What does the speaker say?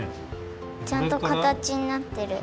ちゃんとかたちになってる。